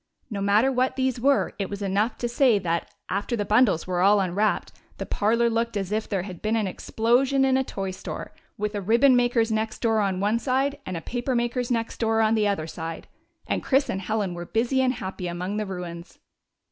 No matter what these were; it is enough to say that, after the bundles were all unwrapped, the parlor looked as if there had been an explosion in a toystore, with a ribbon maker's next door on one side and a paper makers next door on the other side; and Chris and Helen were busy and happy among the ruins.